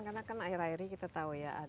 karena kan air airnya kita tahu ya